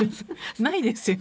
ないですよね？